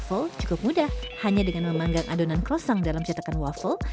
full cukup mudah hanya dengan memanggang adonan crossang dalam cetakan waffle